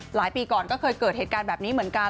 หลายปีก่อนก็เคยเกิดเหตุการณ์แบบนี้เหมือนกัน